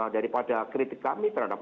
daripada kritik kami terhadap